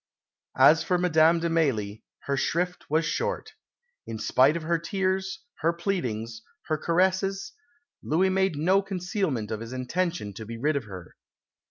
As for Madame de Mailly, her shrift was short. In spite of her tears, her pleadings, her caresses, Louis made no concealment of his intention to be rid of her.